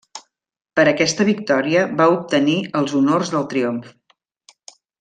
Per aquesta victòria va obtenir els honors del triomf.